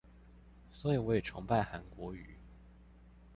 所以我也崇拜韓國瑜